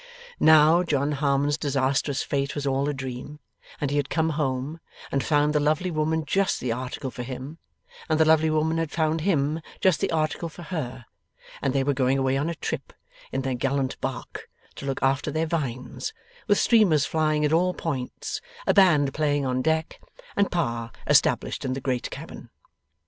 Now, John Harmon's disastrous fate was all a dream, and he had come home and found the lovely woman just the article for him, and the lovely woman had found him just the article for her, and they were going away on a trip, in their gallant bark, to look after their vines, with streamers flying at all points, a band playing on deck and Pa established in the great cabin.